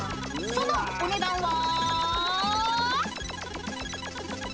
［そのお値段は］